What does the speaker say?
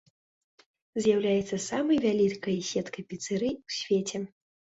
З'яўляецца самай вялікай сеткай піцэрый у свеце.